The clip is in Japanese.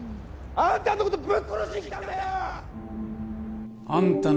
「あんたのことぶっ殺しに来たんだよ」